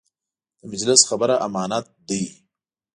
د مجلس خبره امانت دی.